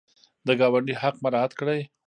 د ګاونډي حق مراعات کړئ